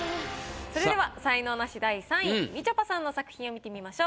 それでは才能ナシ第３位みちょぱさんの作品を見てみましょう。